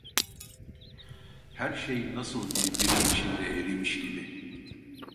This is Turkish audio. Her şey nasıl birbiri içinde erimiş gibi.